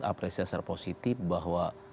apresiasi positif bahwa